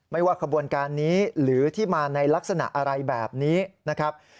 ว่าขบวนการนี้หรือที่มาในลักษณะอะไรแบบนี้นะครับ